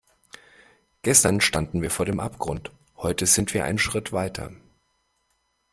Gestern standen wir vor dem Abgrund, heute sind wir einen Schritt weiter.